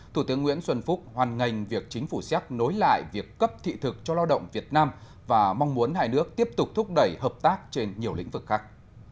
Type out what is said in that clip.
thủ tướng nguyễn xuân phúc hoàn ngành việc chính phủ séc nối lại việc cấp thị thực cho lao động việt nam và mong muốn hai nước tiếp tục thúc đẩy hợp tác trên nhiều lĩnh vực khác